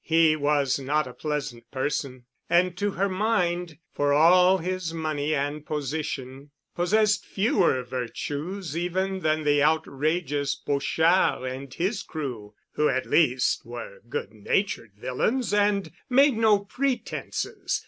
He was not a pleasant person, and to her mind, for all his money and position, possessed fewer virtues even than the outrageous Pochard and his crew, who at least were good natured villains and made no pretenses.